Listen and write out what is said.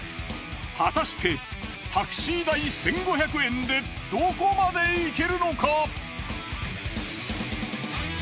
果たしてタクシー代１，５００円でどこまで行けるのか！？